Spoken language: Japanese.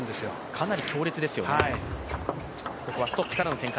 かなり強烈ですよね。